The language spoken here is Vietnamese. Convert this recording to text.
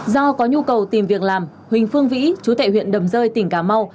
do có nhu cầu tìm việc làm huỳnh phương vĩ chú tại huyện đầm rơi tỉnh cà mau